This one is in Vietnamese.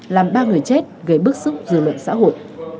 làm ba người chết gây bức xúc dư luận xã hội